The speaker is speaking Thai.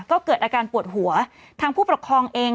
ก็เกิดอาการปวดหัวทางผู้ปกครองเอง